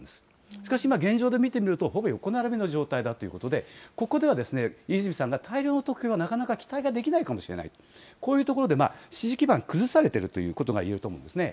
しかし今、現状で見てみると、ほぼ横並びの状態だということで、ここではですね、飯泉さんが大量得票はなかなか期待ができないかもしれない、こういう所で、支持基盤崩されているということがいえると思うんですね。